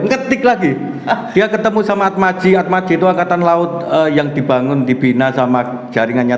ngetik lagi dia ketemu sama atmaji atmaji itu angkatan laut yang dibangun dibina sama jaringannya